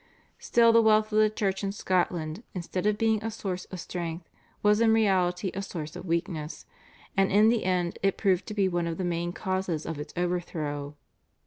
Still the wealth of the Church in Scotland instead of being a source of strength was in reality a source of weakness, and in the end it proved to be one of the main causes of its overthrow.